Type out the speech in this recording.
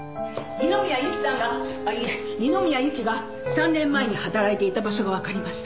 二宮ゆきさんがいえ二宮ゆきが３年前に働いていた場所がわかりました。